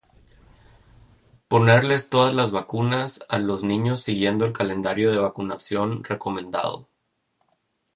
ponerles todas las vacunas a los niños siguiendo el calendario de vacunación recomendado